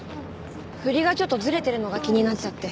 振りがちょっとずれてるのが気になっちゃって。